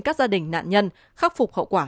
các gia đình nạn nhân khắc phục hậu quả